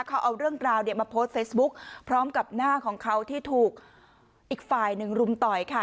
เขาเอาเรื่องราวเนี่ยมาโพสต์เฟซบุ๊คพร้อมกับหน้าของเขาที่ถูกอีกฝ่ายหนึ่งรุมต่อยค่ะ